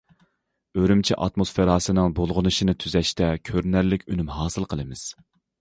ئۈرۈمچى ئاتموسفېراسىنىڭ بۇلغىنىشىنى تۈزەشتە كۆرۈنەرلىك ئۈنۈم ھاسىل قىلىمىز.